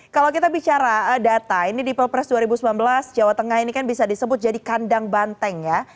kalau kita bicara data ini di pilpres dua ribu sembilan belas jawa tengah ini kan bisa disebut jadi kandang banteng ya